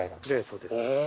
そうです。